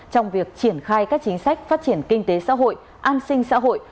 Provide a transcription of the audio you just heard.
trong việc triển khai các chính sách phát triển kinh tế xã hội an sinh xã hội